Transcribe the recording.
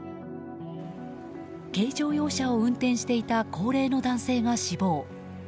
軽乗用車を運転していた高齢の男性は死亡。